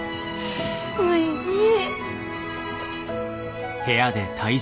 おいしい。